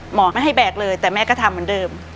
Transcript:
หมอไม่ให้แบกเลยแต่แม่ก็ทำเหมือนเดิม